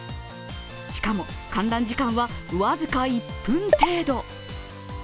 しかも観覧時間は僅か１分程度。